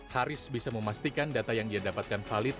haris bisa memastikan data yang dia dapatkan valid